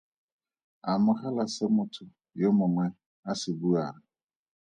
Amogela se motho yo mongwe a se buang.